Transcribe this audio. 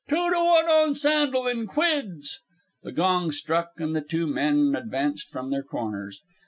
Two to one on Sandel, in quids." The gong struck and the two men advanced from their corners.